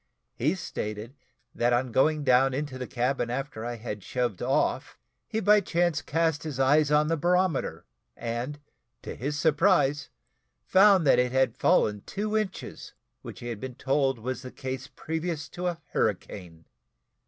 He stated, that on going down into the cabin after I had shoved off, he, by chance, cast his eyes on the barometer, and, to his surprise, found that it had fallen two inches, which he had been told was the case previous to a hurricane.